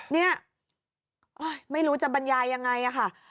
เนี่ยไม่รู้จะบรรยายยังไงค่ะ